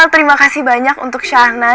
terima kasih banyak untuk shana